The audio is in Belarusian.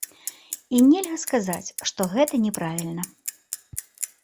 І нельга сказаць, што гэта няправільна.